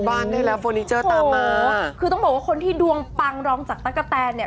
บ้านได้แล้วเฟอร์นิเจอร์ตามมาคือต้องบอกว่าคนที่ดวงปังรองจากตั๊กกะแตนเนี่ย